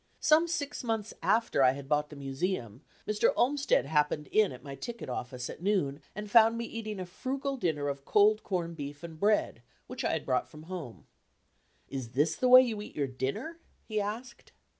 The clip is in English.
Some six months after I had bought the Museum, Mr. Olmsted happened in at my ticket office at noon and found me eating a frugal dinner of cold corned beef and bread, which I had brought from home. "Is this the way you eat your dinner?" he asked.